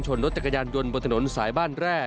รถจักรยานยนต์บนถนนสายบ้านแร่